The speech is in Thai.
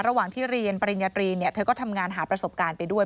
ระหว่างที่เรียนปริญญาตรีเธอก็ทำงานหาประสบการณ์ไปด้วย